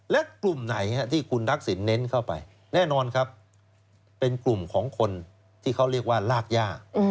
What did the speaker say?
และกลุ่มไหนที่คุณทักษิณเน้นเข้าไปแน่นอนครับเป็นกลุ่มของคนที่เขาเรียกว่าลากย่า